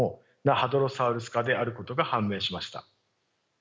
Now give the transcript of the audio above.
ハドロサウルス科であることが判明しました。